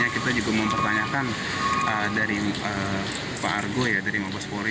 kita juga mempertanyakan dari pak argo dari mabas polri